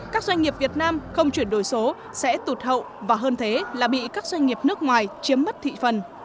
các doanh nghiệp việt nam không chuyển đổi số sẽ tụt hậu và hơn thế là bị các doanh nghiệp nước ngoài chiếm mất thị phần